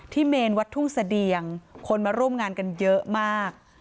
เมนวัดทุ่งเสดียงคนมาร่วมงานกันเยอะมาก